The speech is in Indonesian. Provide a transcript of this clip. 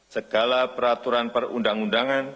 segala peraturan perundang undangan